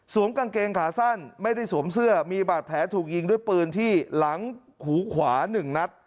กางเกงขาสั้นไม่ได้สวมเสื้อมีบาดแผลถูกยิงด้วยปืนที่หลังหูขวา๑นัด